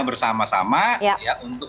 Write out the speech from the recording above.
bersama sama ya untuk